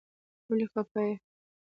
ولی خپه یی ؟